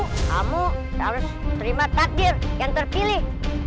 kamu harus terima takdir yang terpilih